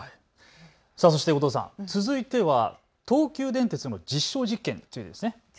そして後藤さん、続いては東急電鉄の実証実験ですね。